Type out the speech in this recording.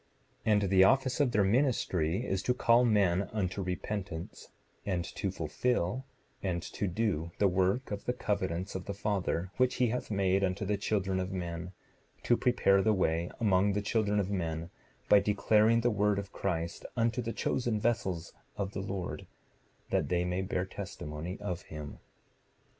7:31 And the office of their ministry is to call men unto repentance, and to fulfill and to do the work of the covenants of the Father, which he hath made unto the children of men, to prepare the way among the children of men, by declaring the word of Christ unto the chosen vessels of the Lord, that they may bear testimony of him.